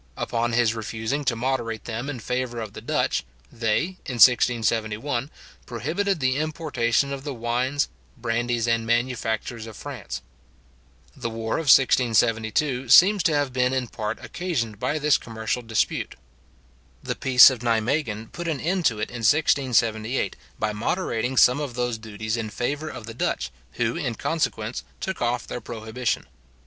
Upon his refusing to moderate them in favour of the Dutch, they, in 1671, prohibited the importation of the wines, brandies, and manufactures of France. The war of 1672 seems to have been in part occasioned by this commercial dispute. The peace of Nimeguen put an end to it in 1678, by moderating some of those duties in favour of the Dutch, who in consequence took off their prohibition.